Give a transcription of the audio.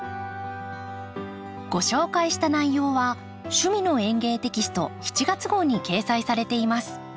ご紹介した内容は「趣味の園芸」テキスト７月号に掲載されています。